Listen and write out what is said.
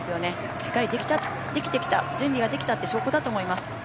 しっかりできてきた、準備ができてたっていう証拠だと思います。